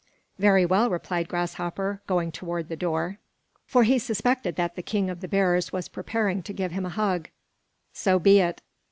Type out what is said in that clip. "Very well," replied Grasshopper, going toward the door, for he suspected that the king of the bears was preparing to give him a hug. "So be it."